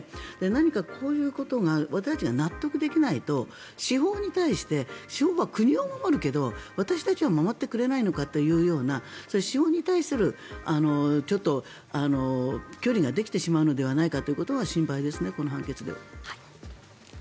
何かこういうことが私たちが納得できないと司法に対して司法は国を守るけど私たちは守ってくれないのかというような、司法に対するちょっと距離ができてしまうのではないかということが心配ですね、この判決では。